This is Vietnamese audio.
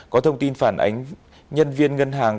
có thông tin phản ánh nhân viên ngân hàng